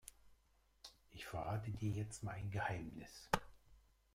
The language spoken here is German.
Ich verrate dir jetzt mal ein Geheimnis.